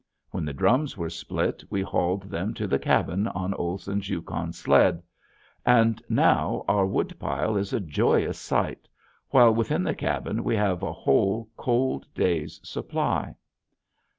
When the drums were split we hauled them to the cabin on Olson's Yukon sled. And now our wood pile is a joyous sight, while within the cabin we have a whole, cold day's supply.